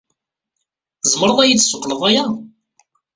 Tzemred ad iyi-d-tessuqqled aya?